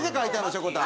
しょこたん。